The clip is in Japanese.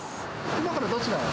今からどちらへ？